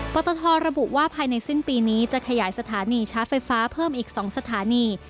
ตทระบุว่าภายในสิ้นปีนี้จะขยายสถานีชาร์จไฟฟ้าเพิ่มอีก๒สถานี